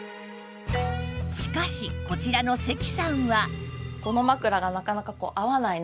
しかしこちらの関さんは